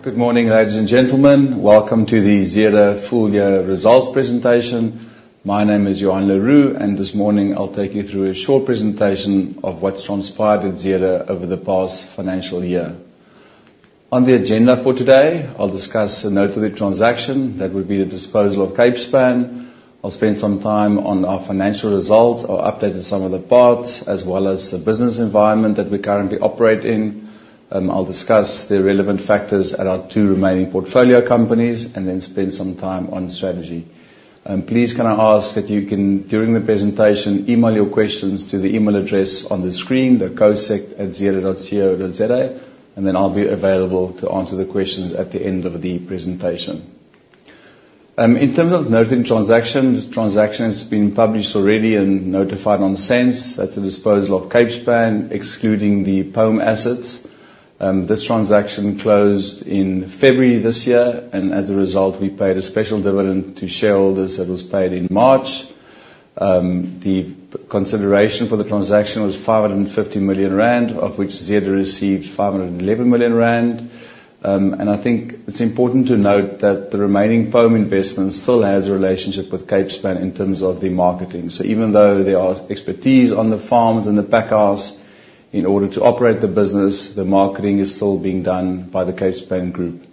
Good morning, ladies and gentlemen. Welcome to the Zeder full year results presentation. My name is Johann le Roux. This morning I'll take you through a short presentation of what's transpired at Zeder over the past financial year. On the agenda for today, I'll discuss a noteworthy transaction, that would be the disposal of Capespan. I'll spend some time on our financial results. I'll update some of the parts, as well as the business environment that we currently operate in. I'll discuss the relevant factors at our two remaining portfolio companies, then spend some time on strategy. Please can I ask that you can, during the presentation, email your questions to the email address on the screen, the cosec@zeder.co.za. Then I'll be available to answer the questions at the end of the presentation. In terms of noting transactions, transaction has been published already notified on SENS, that's the disposal of Capespan, excluding the Pome assets. This transaction closed in February this year. As a result, we paid a special dividend to shareholders that was paid in March. The consideration for the transaction was 550 million rand, of which Zeder received 511 million rand. I think it's important to note that the remaining Pome investment still has a relationship with Capespan in terms of the marketing. Even though there are expertise on the farms and the packhouse, in order to operate the business, the marketing is still being done by the Capespan Group.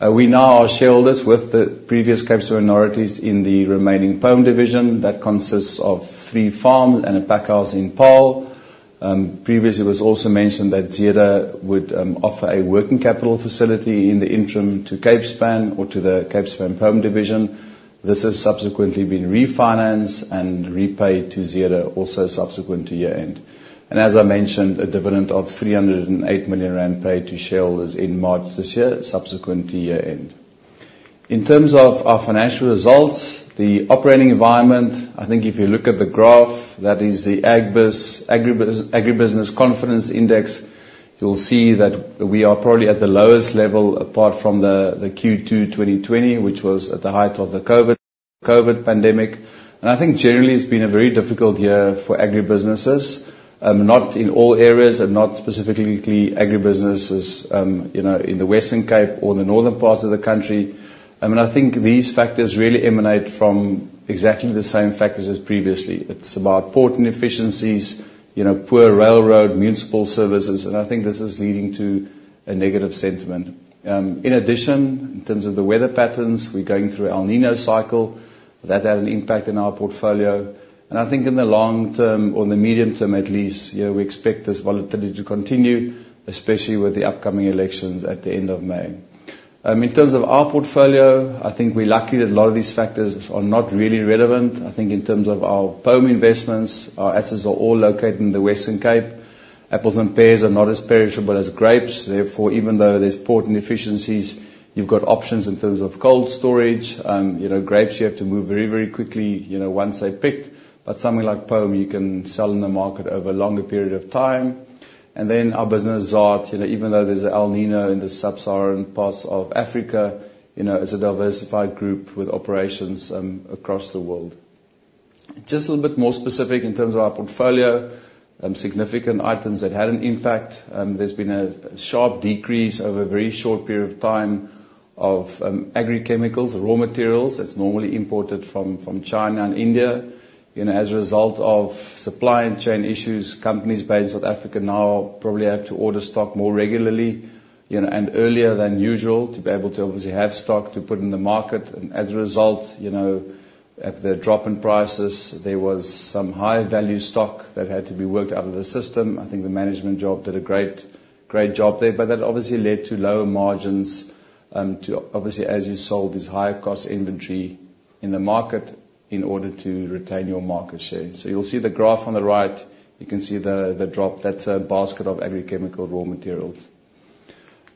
We now are shareholders with the previous Capespan minorities in the remaining Pome division that consists of three farm and a packhouse in Paarl. Previously, it was also mentioned that Zeder would offer a working capital facility in the interim to Capespan or to the Capespan Pome division. This has subsequently been refinanced repaid to Zeder also subsequent to year-end. As I mentioned, a dividend of 308 million rand paid to shareholders in March this year, subsequent to year-end. In terms of our financial results, the operating environment, I think if you look at the graph, that is the Agribusiness Confidence Index. You'll see that we are probably at the lowest level apart from the Q2 2020, which was at the height of the COVID pandemic. I think generally, it's been a very difficult year for agribusinesses, not in all areas and not specifically agribusinesses in the Western Cape or the northern parts of the country. I think these factors really emanate from exactly the same factors as previously. It's about port inefficiencies, poor railroad municipal services. I think this is leading to a negative sentiment. In addition, in terms of the weather patterns, we're going through El Niño cycle. That had an impact on our portfolio. I think in the long term, or the medium term at least, we expect this volatility to continue, especially with the upcoming elections at the end of May. In terms of our portfolio, I think we're lucky that a lot of these factors are not really relevant. I think in terms of our Pome investments, our assets are all located in the Western Cape. Apples and pears are not as perishable as grapes. Therefore, even though there's port inefficiencies, you've got options in terms of cold storage. Grapes, you have to move very, very quickly, once they're picked. Something like Pome, you can sell in the market over a longer period of time. Then our business, Zaad, even though there's El Niño in the Sub-Saharan parts of Africa, it's a diversified group with operations across the world. Just a little bit more specific in terms of our portfolio, significant items that had an impact. There's been a sharp decrease over a very short period of time of agrichemicals, raw materials that's normally imported from China and India. As a result of supply and chain issues, companies based in South Africa now probably have to order stock more regularly and earlier than usual to be able to obviously have stock to put in the market. As a result, at the drop in prices, there was some high-value stock that had to be worked out of the system. I think the management job did a great job there, that obviously led to lower margins, obviously, as you sold this higher cost inventory in the market in order to retain your market share. You'll see the graph on the right, you can see the drop. That's a basket of agrichemical raw materials.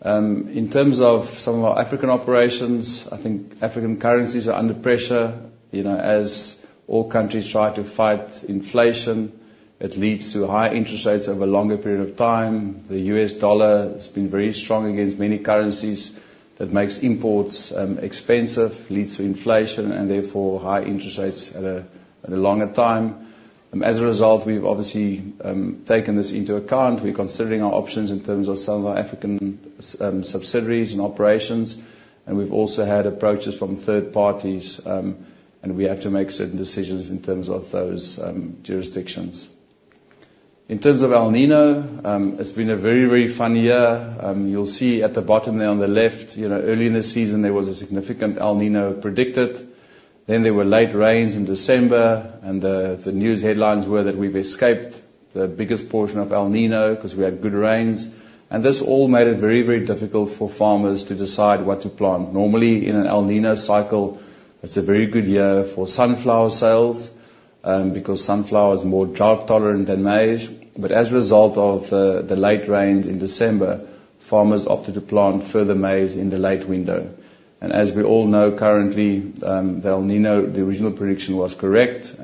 In terms of some of our African operations, I think African currencies are under pressure. As all countries try to fight inflation, it leads to high interest rates over a longer period of time. The U.S. dollar has been very strong against many currencies. That makes imports expensive, leads to inflation, and therefore high interest rates at a longer time. As a result, we've obviously taken this into account. We're considering our options in terms of some of our African subsidiaries and operations, we've also had approaches from third parties, we have to make certain decisions in terms of those jurisdictions. In terms of El Niño, it's been a very, very funny year. You'll see at the bottom there on the left, early in the season, there was a significant El Niño predicted. There were late rains in December, the news headlines were that we've escaped the biggest portion of El Niño because we had good rains. This all made it very, very difficult for farmers to decide what to plant. Normally, in an El Niño cycle, it's a very good year for sunflower sales, because sunflower is more drought tolerant than maize. As a result of the late rains in December, farmers opted to plant further maize in the late window. As we all know, currently, the El Niño, the original prediction was correct,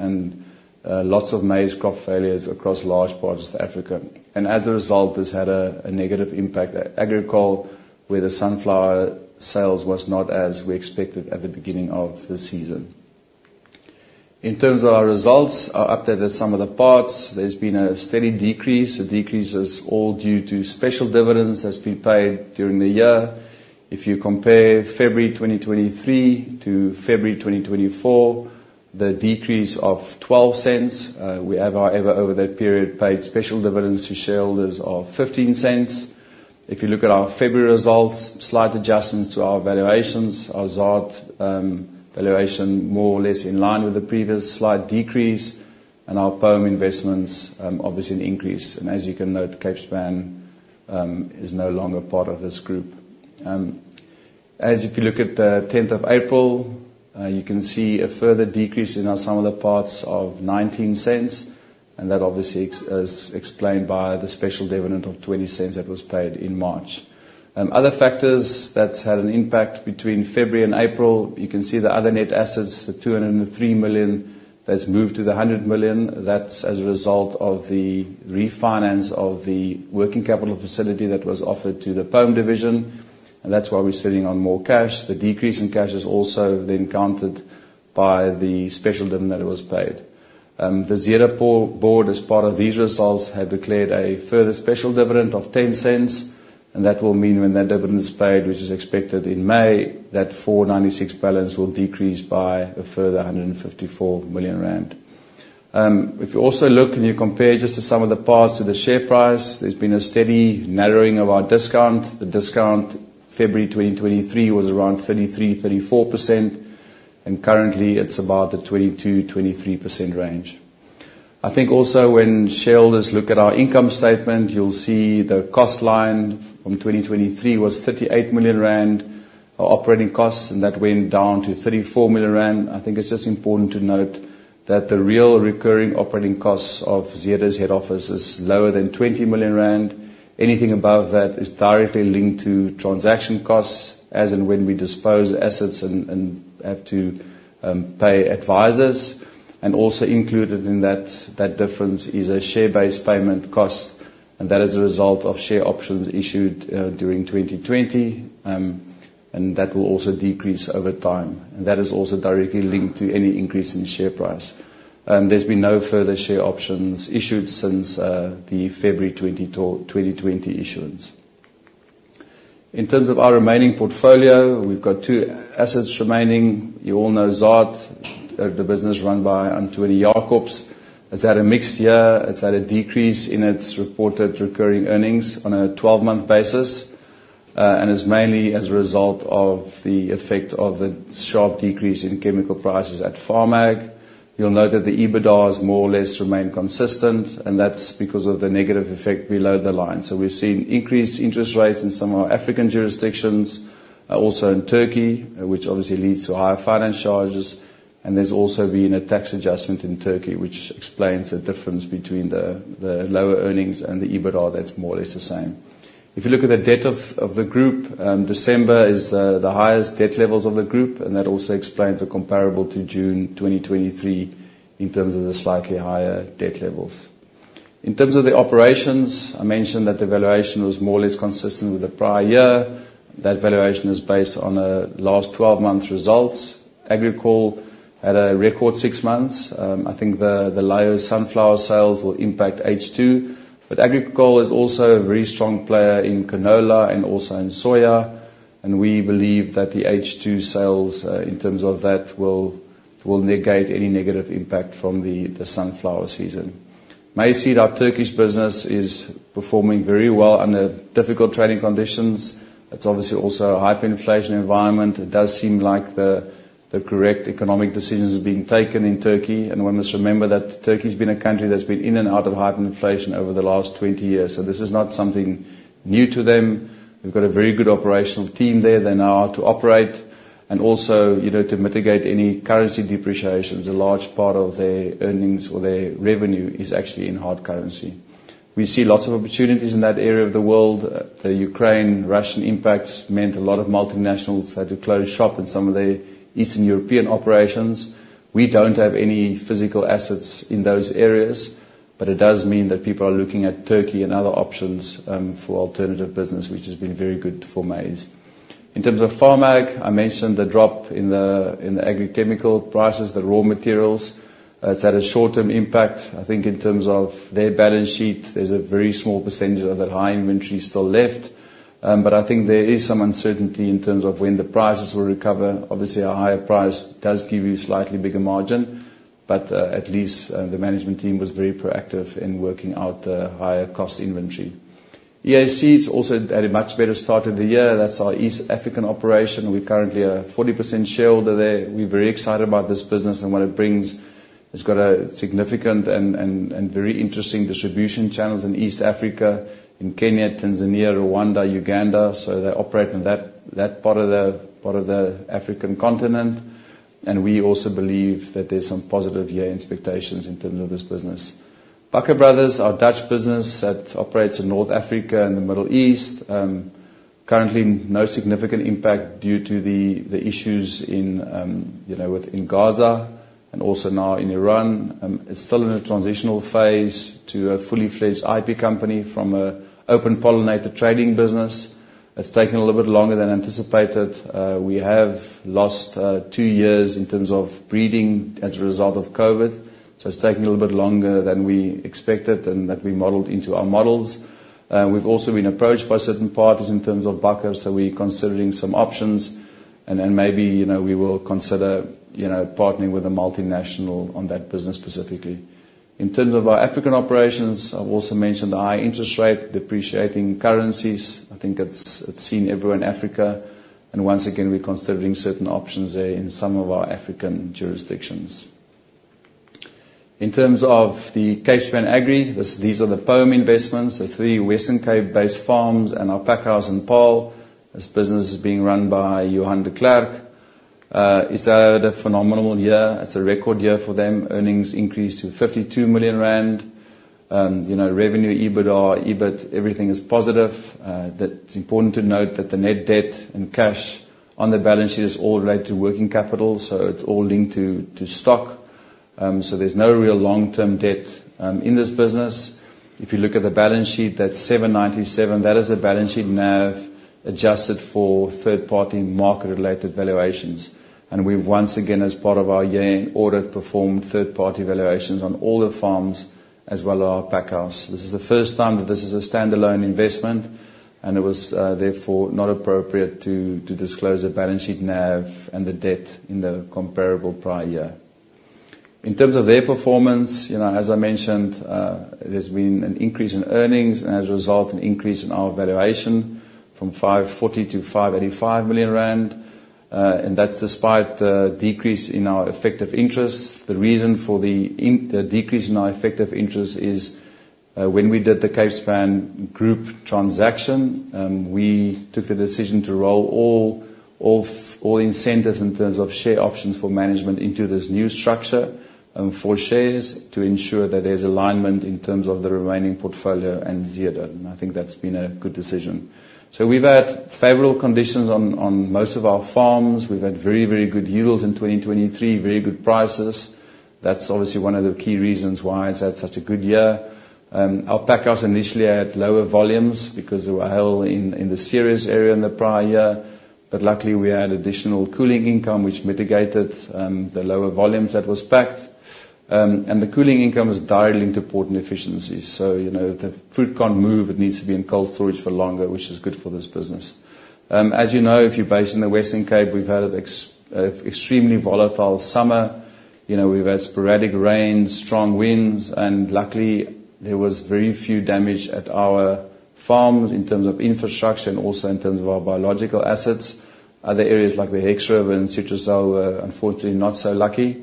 lots of maize crop failures across large parts of Africa. As a result, this had a negative impact at Agricol, where the sunflower sales was not as we expected at the beginning of the season. In terms of our results, our updated some of the parts, there's been a steady decrease. The decrease is all due to special dividends that's been paid during the year. If you compare February 2023 to February 2024, the decrease of 0.12, we have, however, over that period, paid special dividends to shareholders of 0.15. If you look at our February results, slight adjustments to our valuations. Our Zaad valuation, more or less in line with the previous slight decrease, our Pome investments, obviously an increase. As you can note, Capespan is no longer part of this group. If you look at the 10th of April, you can see a further decrease in our some of the parts of 0.19, that obviously is explained by the special dividend of 0.20 that was paid in March. Other factors that's had an impact between February and April, you can see the other net assets, the 203 million that's moved to the 100 million. That's as a result of the refinance of the working capital facility that was offered to the Pome division, that's why we're sitting on more cash. The decrease in cash is also countered by the special dividend that was paid. The Zeder board, as part of these results, have declared a further special dividend of 0.10, that will mean when that dividend is paid, which is expected in May, that 496 balance will decrease by a further 154 million rand. If you also look and you compare just to some of the parts to the share price, there's been a steady narrowing of our discount. The discount February 2023 was around 33%-34%, currently, it's about the 22%-23% range. When shareholders look at our income statement, you'll see the cost line from 2023 was 38 million rand, our operating costs, that went down to 34 million rand. The real recurring operating costs of Zeder's head office is lower than 20 million rand. Anything above that is directly linked to transaction costs, as in when we dispose assets and have to pay advisors. Also included in that difference is a share-based payment cost, that is a result of share options issued during 2020. That will also decrease over time. That is also directly linked to any increase in share price. There's been no further share options issued since the February 2020 issuance. In terms of our remaining portfolio, we've got two assets remaining. You all know Zaad. The business run by Antonie Jacobs. It's had a mixed year. It's had a decrease in its reported recurring earnings on a 12-month basis. Is mainly as a result of the effect of the sharp decrease in chemical prices at FarmAg. The EBITDA has more or less remained consistent, that's because of the negative effect below the line. We've seen increased interest rates in some of our African jurisdictions, also in Turkey, which obviously leads to higher finance charges. There's also been a tax adjustment in Turkey, which explains the difference between the lower earnings and the EBITDA that's more or less the same. December is the highest debt levels of the group, that also explains the comparable to June 2023 in terms of the slightly higher debt levels. In terms of the operations, I mentioned that the valuation was more or less consistent with the prior year. That valuation is based on a last 12-month results. Agricol had a record six months. The lower sunflower sales will impact H2. Agricol is also a very strong player in canola and also in soya. We believe that the H2 sales, in terms of that, will negate any negative impact from the sunflower season. MAY Seed, our Turkish business, is performing very well under difficult trading conditions. It's obviously also a hyperinflation environment. It does seem like the correct economic decisions are being taken in Turkey. One must remember that Turkey has been a country that's been in and out of hyperinflation over the last 20 years. This is not something new to them. We've got a very good operational team there. They know how to operate. Also to mitigate any currency depreciations. A large part of their earnings or their revenue is actually in hard currency. We see lots of opportunities in that area of the world. The Ukraine, Russian impact meant a lot of multinationals had to close shop in some of their Eastern European operations. We don't have any physical assets in those areas, but it does mean that people are looking at Turkey and other options, for alternative business, which has been very good for MAY Seed. In terms of FarmAg, I mentioned the drop in the agrichemical prices, the raw materials. It's had a short-term impact. I think in terms of their balance sheet, there's a very small percentage of that high inventory still left. I think there is some uncertainty in terms of when the prices will recover. Obviously, a higher price does give you a slightly bigger margin, but at least the management team was very proactive in working out the higher cost inventory. EAC, it's also had a much better start of the year. That's our East African operation. We currently are a 40% shareholder there. We're very excited about this business and what it brings. It's got a significant and very interesting distribution channels in East Africa, in Kenya, Tanzania, Rwanda, Uganda. They operate in that part of the African continent. We also believe that there's some positive year expectations in terms of this business. Bakker Brothers, our Dutch business that operates in North Africa and the Middle East. Currently, no significant impact due to the issues within Gaza and also now in Iran. It's still in a transitional phase to a fully fledged IP company from a open-pollinated trading business. It's taken a little bit longer than anticipated. We have lost two years in terms of breeding as a result of COVID. It's taken a little bit longer than we expected and that we modeled into our models. We've also been approached by certain parties in terms of Bakker Brothers. We're considering some options. Maybe we will consider partnering with a multinational on that business specifically. In terms of our African operations, I've also mentioned the high interest rate, depreciating currencies. I think it's seen everywhere in Africa. Once again, we're considering certain options there in some of our African jurisdictions. In terms of the Capespan Agri, these are the Pome investments, the three Western Cape based farms, and our packhouse in Paarl. This business is being run by Johan de Klerk. It's had a phenomenal year. It's a record year for them. Earnings increased to 52 million rand. Revenue, EBITDA, EBIT, everything is positive. It's important to note that the net debt and cash on the balance sheet is all related to working capital. It's all linked to stock. There's no real long-term debt in this business. If you look at the balance sheet, that 797, that is a balance sheet NAV adjusted for third party market related valuations. We've once again, as part of our year-end audit, performed third party valuations on all the farms as well as our packhouse. This is the first time that this is a standalone investment, it was, therefore, not appropriate to disclose the balance sheet NAV and the debt in the comparable prior year. In terms of their performance, as I mentioned, there's been an increase in earnings and as a result, an increase in our valuation from 540 million to 585 million rand. That's despite the decrease in our effective interest. The reason for the decrease in our effective interest is, when we did the Capespan Group transaction, we took the decision to roll all incentives in terms of share options for management into this new structure, for shares to ensure that there's alignment in terms of the remaining portfolio and Zeder. I think that's been a good decision. We've had favorable conditions on most of our farms. We've had very good yields in 2023. Very good prices. That's obviously one of the key reasons why it's had such a good year. Our packhouse initially had lower volumes because there were a hail in the Ceres area in the prior year. Luckily, we had additional cooling income, which mitigated the lower volumes that was packed. The cooling income is directly linked to port inefficiencies. If the fruit can't move, it needs to be in cold storage for longer, which is good for this business. As you know, if you're based in the Western Cape, we've had an extremely volatile summer. We've had sporadic rain, strong winds, and luckily there was very few damage at our farms in terms of infrastructure and also in terms of our biological assets. Other areas like the Hex River and Citrusdal were unfortunately not so lucky.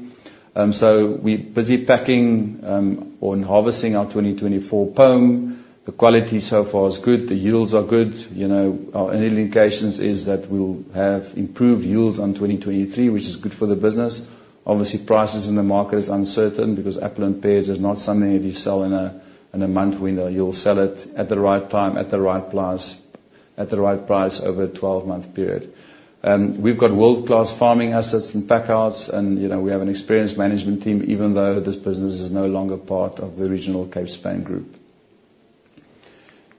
We're busy packing or harvesting our 2024 Pome. The quality so far is good. The yields are good. Our early indications is that we'll have improved yields on 2023, which is good for the business. Obviously, prices in the market is uncertain because apple and pears is not something that you sell in a month window. You'll sell it at the right time, at the right price, over a 12-month period. We've got world-class farming assets and packhouses, we have an experienced management team, even though this business is no longer part of the regional Capespan Group.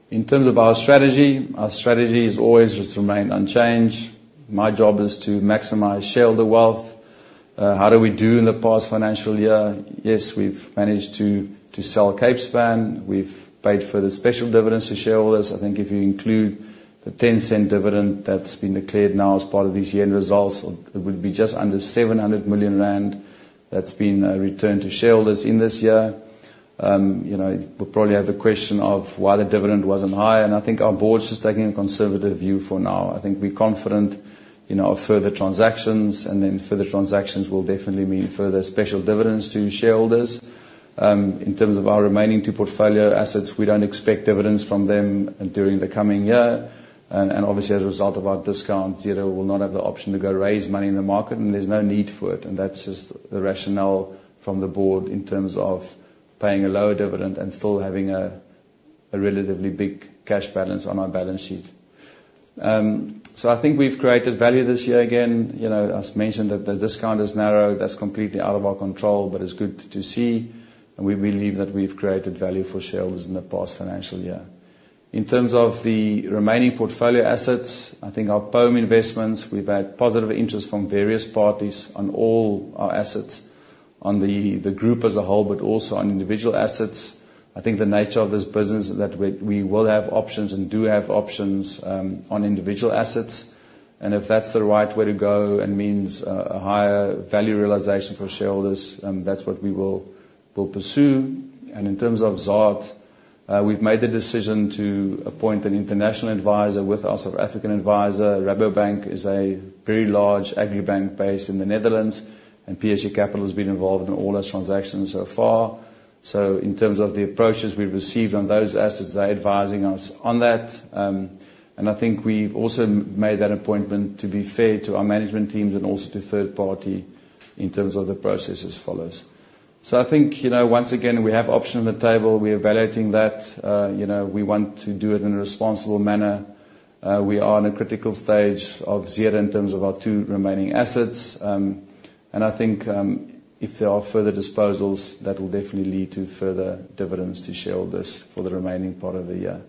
In terms of our strategy, our strategy has always just remained unchanged. My job is to maximize shareholder wealth. How did we do in the past financial year? Yes, we've managed to sell Capespan. We've paid for the special dividends to shareholders. I think if you include the 0.10 dividend that's been declared now as part of these year-end results, it would be just under 700 million rand that's been returned to shareholders in this year. We'll probably have the question of why the dividend wasn't higher, I think our board's just taking a conservative view for now. I think we're confident of further transactions, further transactions will definitely mean further special dividends to shareholders. In terms of our remaining two portfolio assets, we don't expect dividends from them during the coming year. Obviously, as a result of our discount, Zeder will not have the option to go raise money in the market, and there's no need for it. That's just the rationale from the board in terms of paying a lower dividend and still having a relatively big cash balance on our balance sheet. I think we've created value this year again. As mentioned, the discount has narrowed. That's completely out of our control, but it's good to see, and we believe that we've created value for shareholders in the past financial year. In terms of the remaining portfolio assets, I think our Pome investments, we've had positive interest from various parties on all our assets on the group as a whole, but also on individual assets. I think the nature of this business is that we will have options and do have options on individual assets. If that's the right way to go and means a higher value realization for shareholders, that's what we will pursue. In terms of Zaad, we've made the decision to appoint an international advisor with our South African advisor. Rabobank is a very large agri bank based in the Netherlands, and PSG Capital has been involved in all those transactions so far. In terms of the approaches we've received on those assets, they're advising us on that. I think we've also made that appointment to be fair to our management teams and also to third party in terms of the process as follows. I think, once again, we have options on the table. We're evaluating that. We want to do it in a responsible manner. We are in a critical stage of Zeder in terms of our two remaining assets. I think if there are further disposals, that will definitely lead to further dividends to shareholders for the remaining part of the year.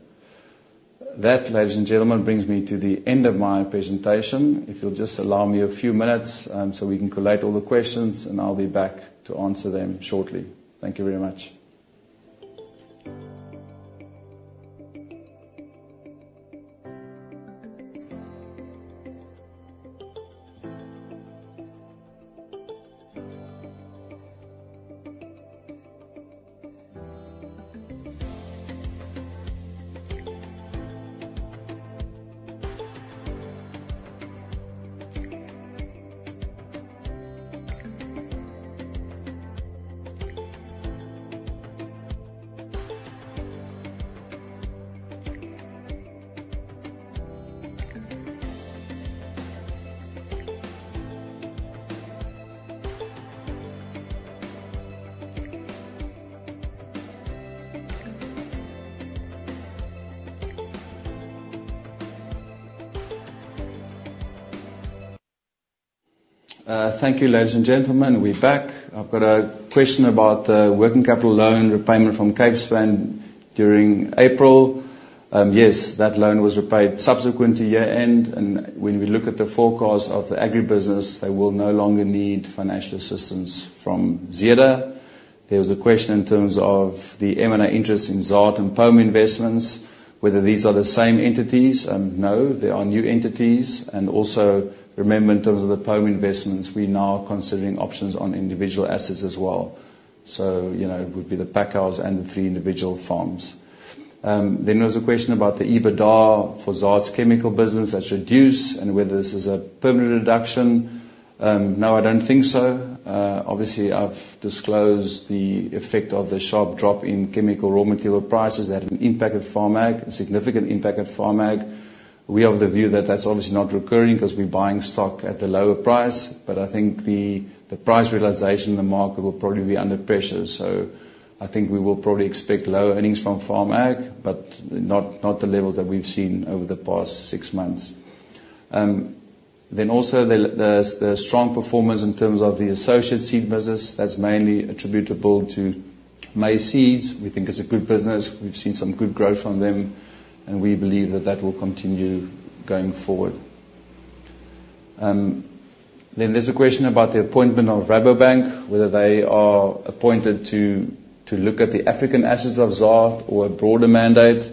That, ladies and gentlemen, brings me to the end of my presentation. If you'll just allow me a few minutes so we can collate all the questions, and I'll be back to answer them shortly. Thank you very much. Thank you, ladies and gentlemen. We're back. I've got a question about the working capital loan repayment from Capespan during April. Yes, that loan was repaid subsequent to year-end. When we look at the forecast of the agribusiness, they will no longer need financial assistance from Zeder. There was a question in terms of the M&A interest in Zaad and Pome investments, whether these are the same entities. No, they are new entities. Also remember, in terms of the Pome investments, we now are considering options on individual assets as well. So, it would be the pack house and the three individual farms. There was a question about the EBITDA for Zaad's chemical business that's reduced and whether this is a permanent reduction. No, I don't think so. Obviously, I've disclosed the effect of the sharp drop in chemical raw material prices that had an impact at FarmAg, a significant impact at FarmAg. We have the view that that's obviously not recurring because we're buying stock at the lower price. I think the price realization in the market will probably be under pressure. I think we will probably expect lower earnings from FarmAg, but not the levels that we've seen over the past six months. Also, there's the strong performance in terms of the associate seed business. That's mainly attributable to MAY Seed. We think it's a good business. We've seen some good growth from them, and we believe that that will continue going forward. There's a question about the appointment of Rabobank, whether they are appointed to look at the African assets of Zaad or a broader mandate.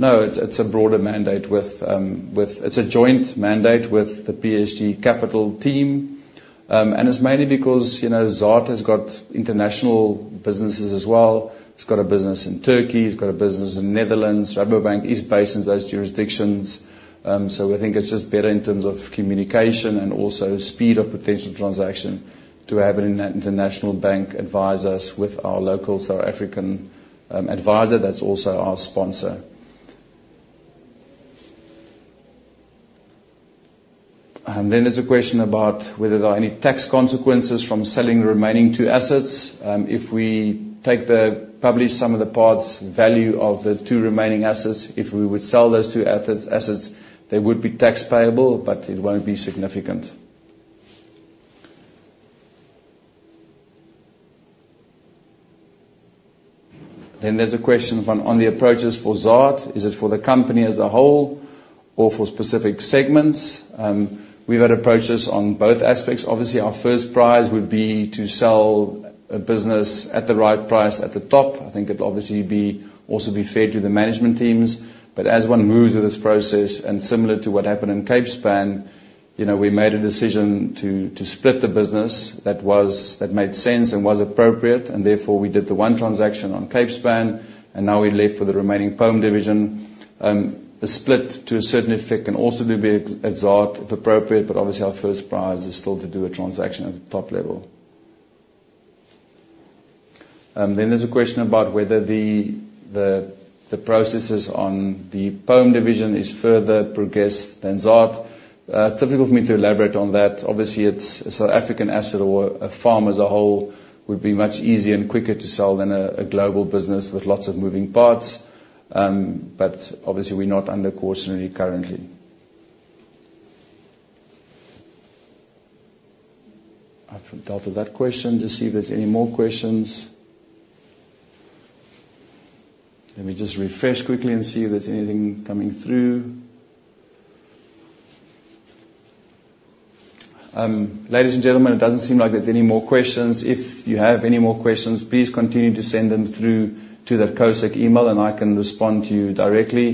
It's a broader mandate. It's a joint mandate with the PSG Capital team. It's mainly because Zaad has got international businesses as well. It's got a business in Turkey. It's got a business in Netherlands. Rabobank is based in those jurisdictions. We think it's just better in terms of communication and also speed of potential transaction to have an international bank advise us with our local South African advisor. That's also our sponsor. There's a question about whether there are any tax consequences from selling the remaining two assets. If we take the published sum of the parts value of the two remaining assets, if we would sell those two assets, they would be tax payable, but it won't be significant. There's a question on the approaches for Zaad. Is it for the company as a whole or for specific segments? We've had approaches on both aspects. Obviously, our first prize would be to sell a business at the right price at the top. I think it'd obviously also be fair to the management teams. As one moves through this process, and similar to what happened in Capespan, we made a decision to split the business that made sense and was appropriate, and therefore, we did the one transaction on Capespan, and now we're left with the remaining Pome division. A split to a certain effect can also be at Zaad, if appropriate, but obviously our first prize is still to do a transaction at the top level. There's a question about whether the processes on the Pome division is further progressed than Zaad. It's difficult for me to elaborate on that. Obviously, it's a South African asset or a farm as a whole would be much easier and quicker to sell than a global business with lots of moving parts. But obviously, we're not under cautionary currently. I've dealt with that question. Just see if there's any more questions. Let me just refresh quickly and see if there's anything coming through. Ladies and gentlemen, it doesn't seem like there's any more questions. If you have any more questions, please continue to send them through to that cosec email and I can respond to you directly.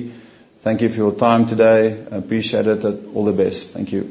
Thank you for your time today. I appreciate it, and all the best. Thank you